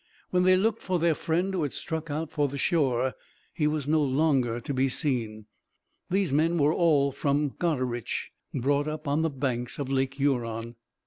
When they looked for their friend who had struck out for the shore, he was no longer to be seen. These men were all from Goderich, brought up on the banks of Lake Huron.